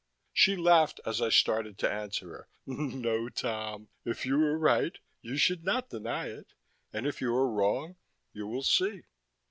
She laughed as I started to answer her. "No, Tom, if you are right, you should not deny it; and if you are wrong you will see."